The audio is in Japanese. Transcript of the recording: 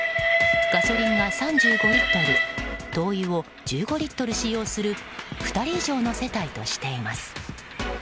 ガソリンが３５リットル灯油を１５リットル使用する２人以上の世帯としています。